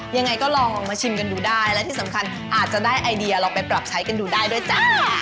ยังไงก็ลองมาชิมกันดูได้และที่สำคัญอาจจะได้ไอเดียลองไปปรับใช้กันดูได้ด้วยจ้ะ